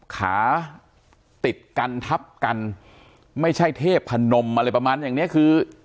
ขาติดกันทับกันไม่ใช่เทพนมอะไรประมาณอย่างเนี้ยคือ